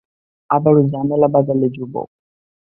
আবারও ঝামেলা বাঁধালে, যুবক।